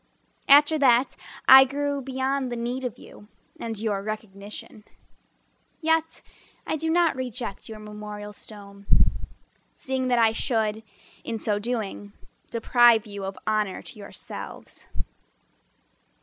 After that I grew beyond the need of you And your recognition. Yet I do not reject your memorial stone Seeing that I should, in so doing, Deprive you of honor to yourselves.